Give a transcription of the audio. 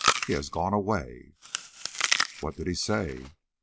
He has gone away." "What did he say?"